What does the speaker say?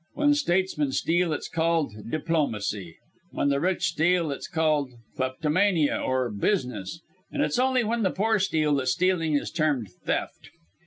When statesmen steal it's called diplomacy, when the rich steal it's called kleptomania or business, and it's only when the poor steal that stealing is termed theft.